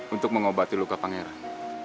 untuk mengobati luka pangeran